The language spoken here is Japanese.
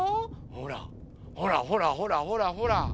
ほらほらほらほらほら。